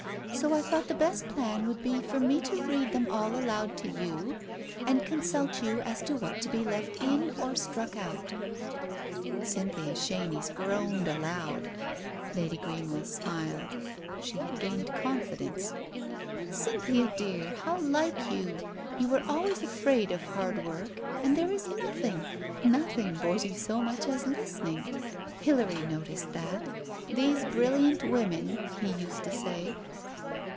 So I thought the best plan would be for me to read them all aloud to you, and consult you as to what is to be left in, or struck out," Cynthia Chenies groaned aloud. Lady Greenwell smiled. She had gained confidence. " Cynthia, dear, how like you ! You were always afraid of hard work, and there is nothing — nothing bores you so much as listening. Hilary noticed that. ' These brilliant women !' he used to say."